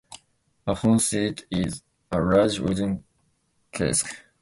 A hogshead is a large wooden cask.